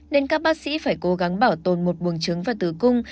nên các bác sĩ phải cố gắng bảo tồn một buồng trứng và tử cung